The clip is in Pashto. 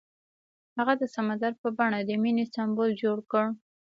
هغه د سمندر په بڼه د مینې سمبول جوړ کړ.